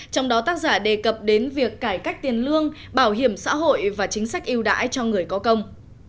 trong đó tác giả đề cập đến việc cải cách tiền lương bảo hiểm xã hội và chính sách yêu đãi cho người có công